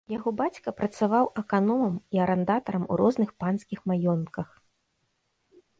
Яго бацька працаваў аканомам і арандатарам у розных панскіх маёнтках.